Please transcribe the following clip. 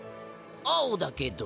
青だけど。